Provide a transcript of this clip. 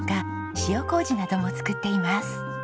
塩糀なども作っています。